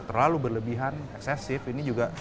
terlalu berlebihan eksesif ini juga